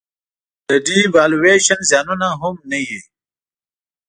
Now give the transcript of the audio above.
د devaluation زیانونه هم نه وي.